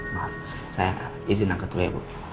maaf saya izin angkat dulu ya bu